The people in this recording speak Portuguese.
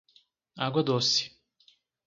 Água Doce